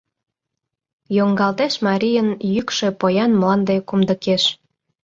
Йоҥгалтеш марийын йӱкшӧ Поян мланде кумдыкеш.